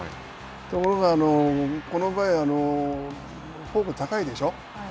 ところが、この場合フォークが高いでしょう。